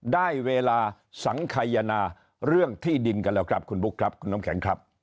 ได้เวลาสังขยนาเรื่องที่ดินกันแล้วครับคุณบุ๊คครับคุณน้ำแข็งครับ